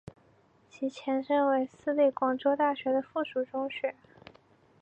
其前身为私立广州大学的附属中学。